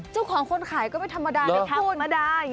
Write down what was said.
เจ้าของคนขายก็ไม่ธรรมดาเลยค่ะ